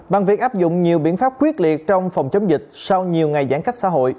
bằng việc áp dụng nhiều biện pháp quyết liệt trong phòng chống dịch sau nhiều ngày giãn cách xã hội